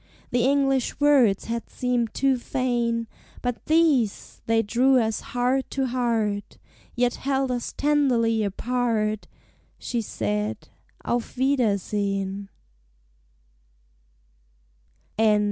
The English words had seemed too fain, But these they drew us heart to heart, Yet held us tenderly apart; She said, "Auf wiedersehen!"